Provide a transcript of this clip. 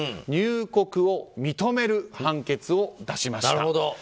入国を認める判決を出しました。